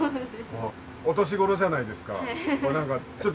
お年ごろじゃないですか。